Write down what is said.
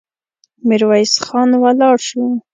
ميرويس خان ولاړ شو.